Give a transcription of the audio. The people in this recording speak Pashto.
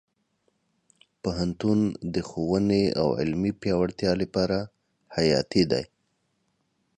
پوهنتون د ښوونې او علمي پیاوړتیا لپاره حیاتي دی.